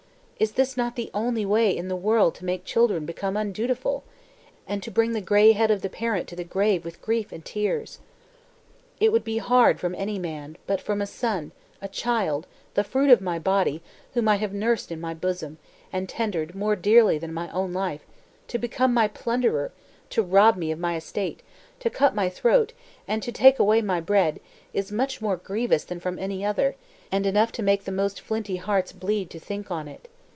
Is not this the only way in the world to make children become undutiful? and to bring the grey head of the parent to the grave with grief and tears? "It would be hard from any man; but from a son, a child, the fruit of my body, whom I have nursed in my bosom, and tendered more dearly than my own life, to become my plunderer, to rob me of my estate, to cut my throat, and to take away my bread, is much more grievous than from any other, and enough to make the most flinty hearts to bleed to think on it.